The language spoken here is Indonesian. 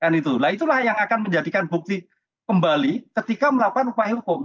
nah itulah yang akan menjadikan bukti kembali ketika melakukan upaya hukum